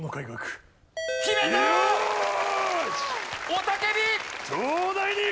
雄たけび！